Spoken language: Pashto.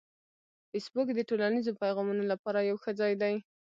فېسبوک د ټولنیزو پیغامونو لپاره یو ښه ځای دی